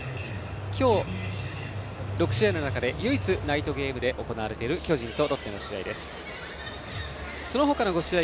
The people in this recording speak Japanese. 今日、６試合の中で唯一ナイトゲームで行われている巨人とロッテの試合。